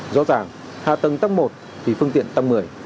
do rằng hạ tầng tăng một thì phương tiện tăng một mươi